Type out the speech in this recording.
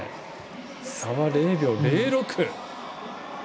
差は０秒０６。